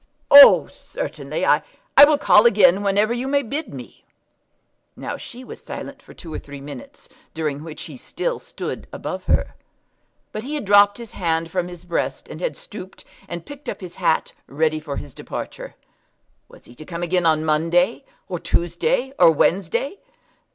"Oh, certainly. I will call again whenever you may bid me." Now she was silent for two or three minutes, during which he still stood over her. But he had dropped his hand from his breast, and had stooped, and picked up his hat ready for his departure. Was he to come again on Monday, or Tuesday, or Wednesday?